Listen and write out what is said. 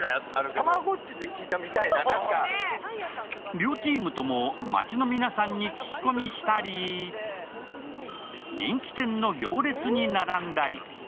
両チームとも街の皆さんに聞き込みしたり、人気店の行列に並んだり。